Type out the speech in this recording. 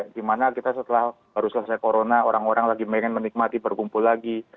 di mana kita setelah selesai corona orang orang lagi ingin menikmati berkumpul lagi